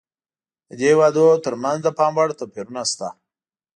د دې هېوادونو ترمنځ د پاموړ توپیرونه شته.